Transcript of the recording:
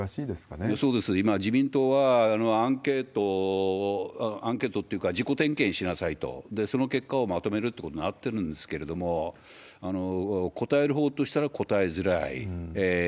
今、自民党はアンケートというか、自己点検しなさいと、その結果をまとめるということになってるんですけれども、答えるほうとしたら答えづらい。